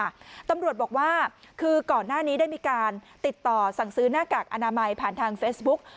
ตำรวจบอกว่าคือก่อนหน้านี้ได้มีการติดต่อสั่งซื้อหน้ากากอนามัยผ่านทางเฟซบุ๊ก